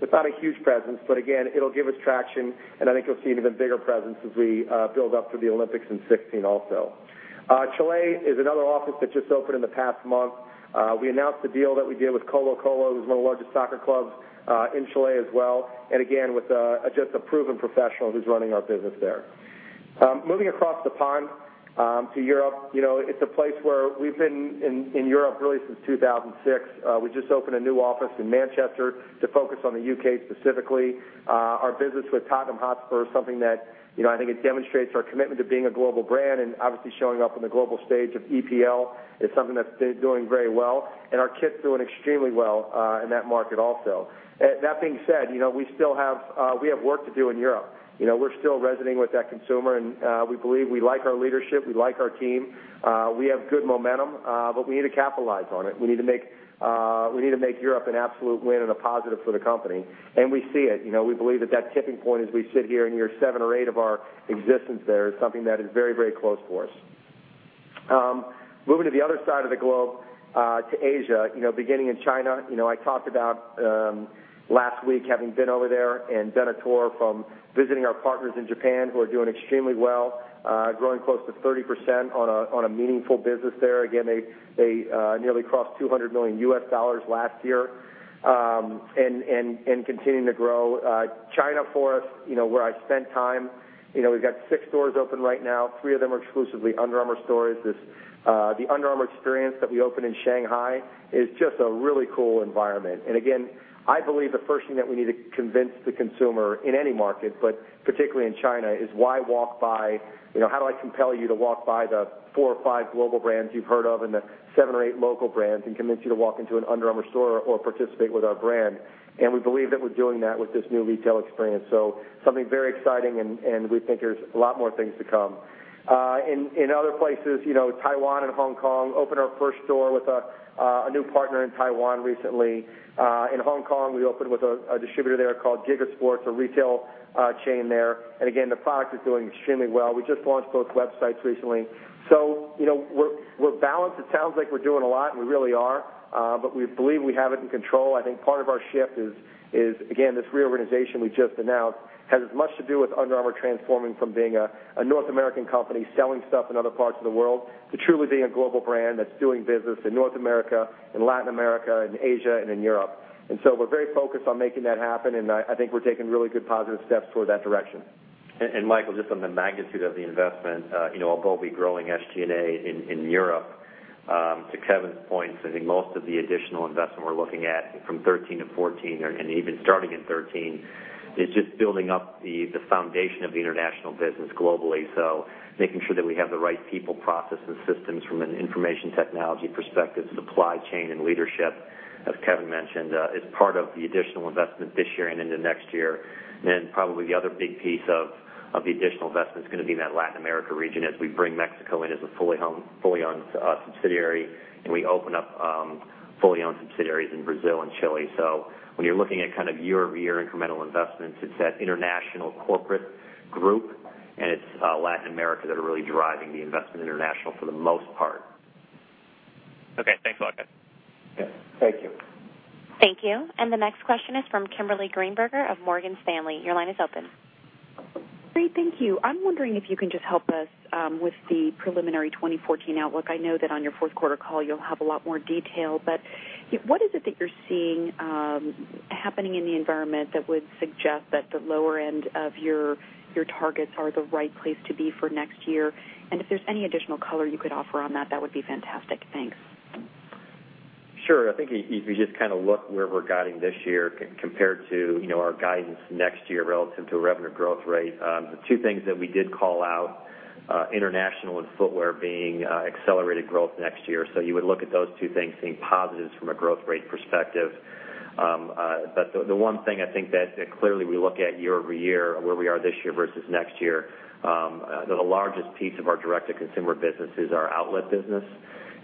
with not a huge presence. Again, it'll give us traction, and I think you'll see an even bigger presence as we build up to the Olympics in 2016 also. Chile is another office that just opened in the past month. We announced the deal that we did with Colo-Colo, who's one of the largest soccer clubs in Chile as well. Again, with just a proven professional who's running our business there. Moving across the pond to Europe, it's a place where we've been in Europe really since 2006. We just opened a new office in Manchester to focus on the U.K. specifically. Our business with Tottenham Hotspur is something that I think it demonstrates our commitment to being a global brand. Obviously showing up on the global stage of EPL is something that's been doing very well, and our kit's doing extremely well in that market also. That being said, we have work to do in Europe. We're still resonating with that consumer. We believe we like our leadership, we like our team. We have good momentum. We need to capitalize on it. We need to make Europe an absolute win and a positive for the company. We see it. We believe that that tipping point as we sit here in year seven or eight of our existence there is something that is very, very close for us. Moving to the other side of the globe to Asia, beginning in China. I talked about last week having been over there and done a tour from visiting our partners in Japan who are doing extremely well, growing close to 30% on a meaningful business there. Again, they nearly crossed $200 million last year and continuing to grow. China for us, where I've spent time, we've got six stores open right now. Three of them are exclusively Under Armour stores. The Under Armour experience that we opened in Shanghai is just a really cool environment. Again, I believe the first thing that we need to convince the consumer in any market, but particularly in China, is why walk by how do I compel you to walk by the four or five global brands you've heard of and the seven or eight local brands and convince you to walk into an Under Armour store or participate with our brand? We believe that we're doing that with this new retail experience. Something very exciting. We think there's a lot more things to come. In other places, Taiwan and Hong Kong opened our first store with a new partner in Taiwan recently. In Hong Kong, we opened with a distributor there called GigaSports, a retail chain there. Again, the product is doing extremely well. We just launched both websites recently. We're balanced. It sounds like we're doing a lot, and we really are. We believe we have it in control. I think part of our shift is, again, this reorganization we just announced has as much to do with Under Armour transforming from being a North American company selling stuff in other parts of the world to truly being a global brand that's doing business in North America and Latin America and Asia and in Europe. We're very focused on making that happen, and I think we're taking really good positive steps toward that direction. Michael, just on the magnitude of the investment, although we'll be growing SG&A in Europe, to Kevin's point, I think most of the additional investment we're looking at from 2013 to 2014, and even starting in 2013, is just building up the foundation of the international business globally. Making sure that we have the right people, processes, systems from an information technology perspective, supply chain and leadership, as Kevin mentioned, is part of the additional investment this year and into next year. Probably the other big piece of the additional investment is going to be in that Latin America region as we bring Mexico in as a fully owned subsidiary, and we open up fully owned subsidiaries in Brazil and Chile. When you're looking at year-over-year incremental investments, it's that international corporate group and it's Latin America that are really driving the investment international for the most part. Okay, thanks a lot, guys. Yeah. Thank you. Thank you. The next question is from Kimberly Greenberger of Morgan Stanley. Your line is open. Great, thank you. I'm wondering if you can just help us with the preliminary 2014 outlook. I know that on your fourth quarter call you'll have a lot more detail, but what is it that you're seeing happening in the environment that would suggest that the lower end of your targets are the right place to be for next year? If there's any additional color you could offer on that would be fantastic. Thanks. Sure. I think if you just look where we're guiding this year compared to our guidance next year relative to revenue growth rate, the two things that we did call out, international and footwear being accelerated growth next year. You would look at those two things being positives from a growth rate perspective. The one thing I think that clearly we look at year-over-year, where we are this year versus next year, the largest piece of our direct-to-consumer business is our outlet business.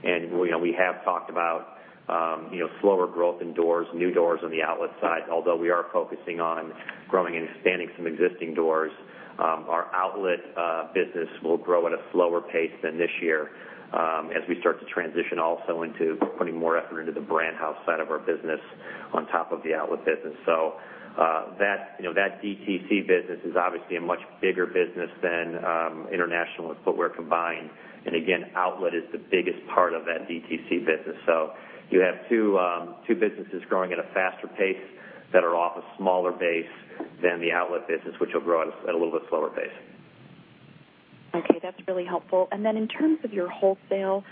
We have talked about slower growth in doors, new doors on the outlet side, although we are focusing on growing and expanding some existing doors. Our outlet business will grow at a slower pace than this year as we start to transition also into putting more effort into the Brand House side of our business on top of the outlet business. That DTC business is obviously a much bigger business than international and footwear combined. Again, outlet is the biggest part of that DTC business. You have two businesses growing at a faster pace that are off a smaller base than the outlet business, which will grow at a little bit slower pace. Okay, that's really helpful. In terms of your wholesale,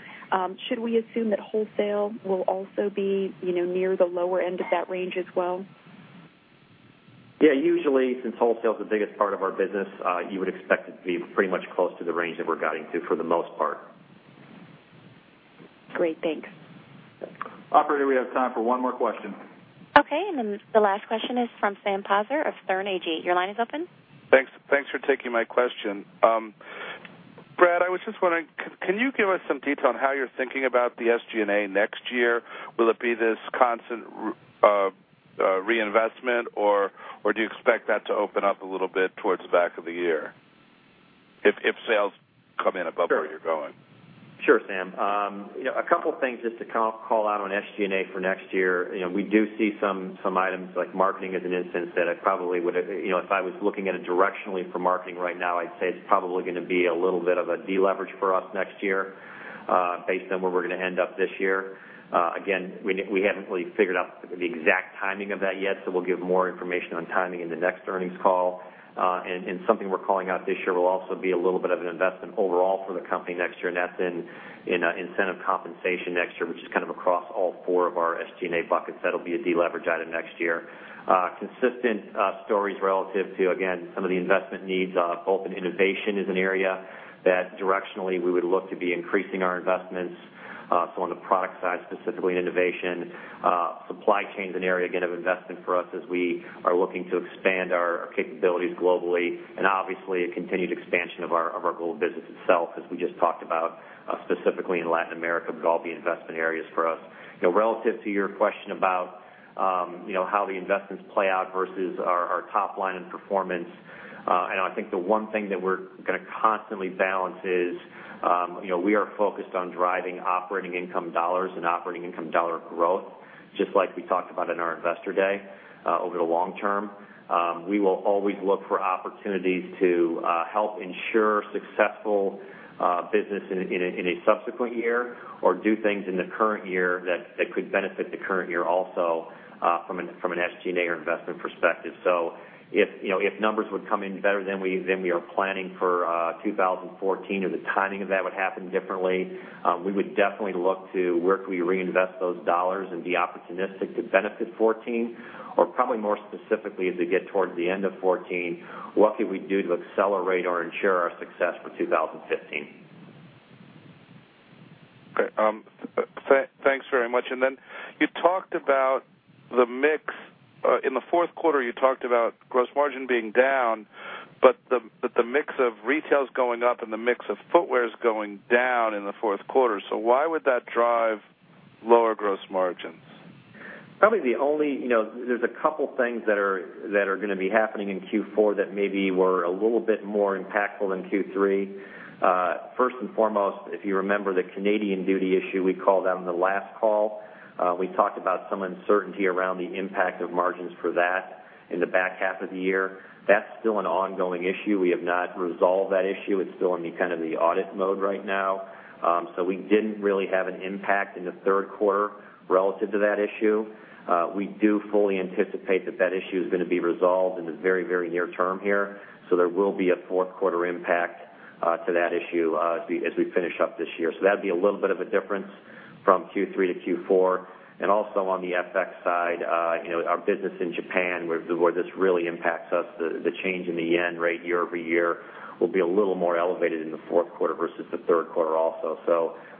should we assume that wholesale will also be near the lower end of that range as well? Yeah. Usually, since wholesale is the biggest part of our business, you would expect it to be pretty much close to the range that we're guiding to, for the most part. Great, thanks. Operator, we have time for one more question. Okay. The last question is from Sam Poser of Sterne Agee. Your line is open. Thanks for taking my question. Brad, I was just wondering, can you give us some detail on how you're thinking about the SG&A next year? Will it be this constant reinvestment, or do you expect that to open up a little bit towards the back of the year if sales come in above where you're going? Sure, Sam. A couple things just to call out on SG&A for next year. We do see some items like marketing as an instance that if I was looking at it directionally for marketing right now, I'd say it's probably going to be a little bit of a deleverage for us next year based on where we're going to end up this year. Again, we haven't really figured out the exact timing of that yet, so we'll give more information on timing in the next earnings call. Something we're calling out this year will also be a little bit of an investment overall for the company next year, and that's in incentive compensation next year, which is kind of across all four of our SG&A buckets. That'll be a deleverage item next year. Consistent stories relative to, again, some of the investment needs, both in innovation as an area that directionally we would look to be increasing our investments. On the product side, specifically in innovation. Supply chain is an area, again, of investment for us as we are looking to expand our capabilities globally. Obviously, a continued expansion of our global business itself, as we just talked about, specifically in Latin America, would all be investment areas for us. Relative to your question about how the investments play out versus our top line and performance, I think the one thing that we're going to constantly balance is we are focused on driving operating income dollars and operating income dollar growth, just like we talked about in our investor day over the long term. We will always look for opportunities to help ensure successful business in a subsequent year or do things in the current year that could benefit the current year also from an SG&A or investment perspective. If numbers would come in better than we are planning for 2014 or the timing of that would happen differently, we would definitely look to where could we reinvest those dollars and be opportunistic to benefit 2014 or probably more specifically, as we get towards the end of 2014, what could we do to accelerate or ensure our success for 2015? Okay. Thanks very much. You talked about the mix. In the fourth quarter, you talked about gross margin being down, the mix of retail is going up and the mix of footwear is going down in the fourth quarter. Why would that drive lower gross margins? There's a couple things that are going to be happening in Q4 that maybe were a little bit more impactful than Q3. First and foremost, if you remember the Canadian duty issue we called out on the last call, we talked about some uncertainty around the impact of margins for that in the back half of the year. That's still an ongoing issue. We have not resolved that issue. It's still in the audit mode right now. We didn't really have an impact in the third quarter relative to that issue. We do fully anticipate that issue is going to be resolved in the very near term here. There will be a fourth quarter impact to that issue as we finish up this year. That'd be a little bit of a difference from Q3 to Q4. Also on the FX side, our business in Japan, where this really impacts us, the change in the yen rate year-over-year will be a little more elevated in the fourth quarter versus the third quarter also.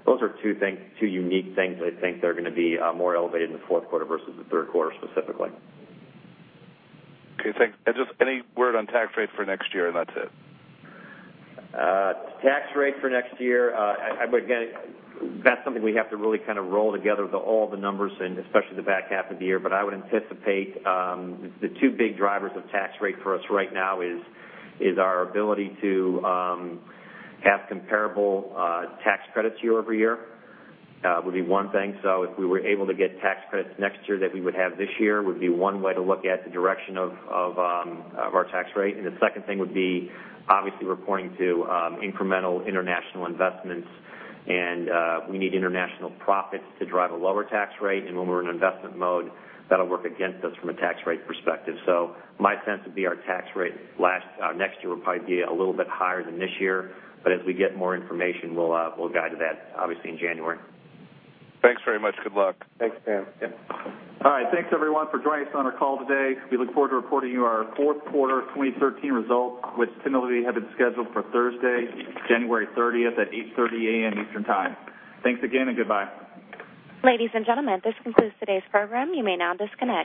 Those are two unique things I think that are going to be more elevated in the fourth quarter versus the third quarter specifically. Okay, thanks. Just any word on tax rate for next year, and that's it. Tax rate for next year, again, that's something we have to really kind of roll together with all the numbers and especially the back half of the year. I would anticipate the two big drivers of tax rate for us right now is our ability to have comparable tax credits year-over-year would be one thing. If we were able to get tax credits next year that we would have this year, would be one way to look at the direction of our tax rate. The second thing would be obviously reporting to incremental international investments. We need international profits to drive a lower tax rate. When we're in investment mode, that'll work against us from a tax rate perspective. My sense would be our tax rate next year will probably be a little bit higher than this year. As we get more information, we'll guide to that, obviously, in January. Thanks very much. Good luck. Thanks, Sam. Yeah. All right. Thanks, everyone, for joining us on our call today. We look forward to reporting you our fourth quarter 2013 results, which tentatively have been scheduled for Thursday, January 30th at 8:30 A.M. Eastern Time. Thanks again, and goodbye. Ladies and gentlemen, this concludes today's program. You may now disconnect.